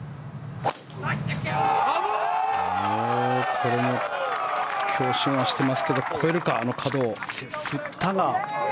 これも強振はしてますけど越えるか、あの角を。